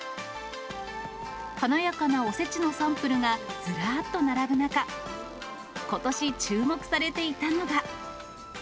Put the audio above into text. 華やかなおせちのサンプルがずらっと並ぶ中、ことし注目されていたのが。